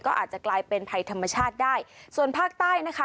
ก็อาจจะกลายเป็นภัยธรรมชาติได้ส่วนภาคใต้นะคะ